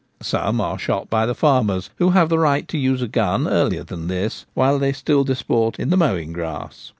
Some are shot by the farmers, who have the right to use a gun, earlier than this, while they still disport in the mowing grass.